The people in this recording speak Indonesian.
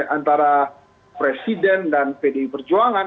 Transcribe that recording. antara presiden dan pdi perjuangan